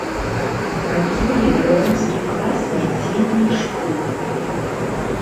Працуе беларускі клас нядзельнай школы.